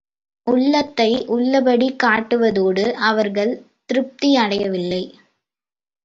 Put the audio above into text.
உள்ளதை உள்ளபடி காட்டுவதோடு அவர்கள் திருப்தி அடையவில்லை.